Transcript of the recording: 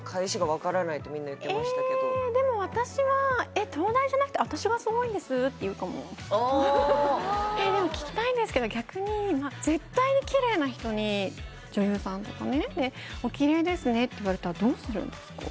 「分からない」ってみんな言ってましたけどえでも私は「えっ東大じゃなくて」って言うかもあえっでも聞きたいんですけど逆に絶対にきれいな人に女優さんとかね「おきれいですね」って言われたらどうするんですか？